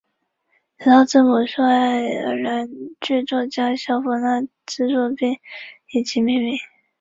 此套字母受爱尔兰剧作家萧伯纳资助并以其命名。